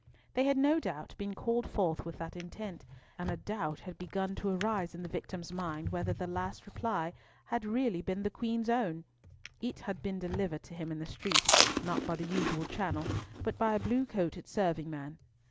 They had no doubt been called forth with that intent, and a doubt had begun to arise in the victim's mind whether the last reply had been really the Queen's own. It had been delivered to him in the street, not by the usual channel, but by a blue coated serving man.